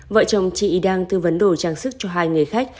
vợ chồng chị đang tư vấn đổi trang sức cho hai người khách